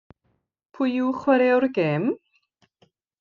Pwy yw chwaraewr y gêm?